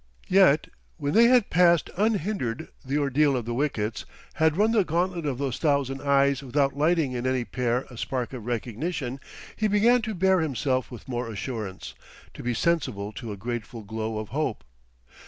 Yet, when they had passed unhindered the ordeal of the wickets, had run the gantlet of those thousand eyes without lighting in any pair a spark of recognition, he began to bear himself with more assurance, to be sensible to a grateful glow of hope.